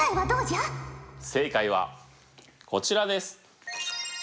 正解はこちらです。